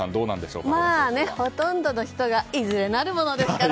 ほとんどの人がいずれ、なるものですから。